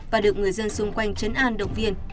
và được người dân xung quanh chấn an động viên